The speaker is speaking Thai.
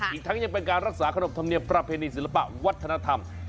อีกทั้งยังเป็นการรักษาขนบธรรมเนียมประเพณีศิลปะวัฒนธรรม